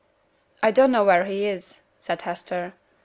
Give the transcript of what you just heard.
'I don't know where he is,' said Hester.